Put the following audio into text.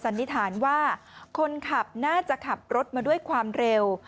นิษฐานว่าคนขับน่าจะขับรถมาด้วยความเร็ว